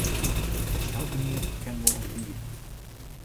Elkenien ken wol in Wybe.